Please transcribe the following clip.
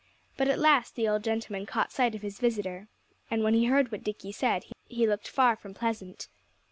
But at last the old gentleman caught sight of his visitor. And when he heard what Dickie said he looked far from pleasant.